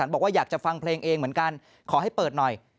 บอกว่าอยากจะฟังเพลงเองเหมือนกันขอให้เปิดหน่อย